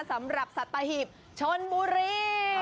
สำหรับสัตว์ต่างหิบชนบุรี